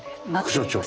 副所長。